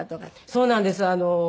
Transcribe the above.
そうなんです。